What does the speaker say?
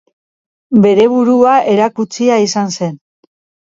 Bere burua erakutsia izan zen.